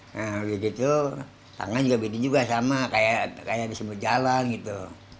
nah begitu tangannya juga begitu sama kayak di sebelah jalan gitu